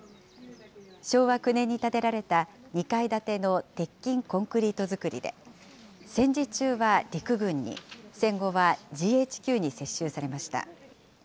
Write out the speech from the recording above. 昭和９年に建てられた２階建ての鉄筋コンクリート造りで、戦時中は陸軍に、戦後はＧＨＱに接収されました。